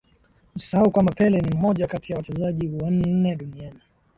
Usisahau kwamba Pele ni mmoja kati ya wachezaji wanne duniani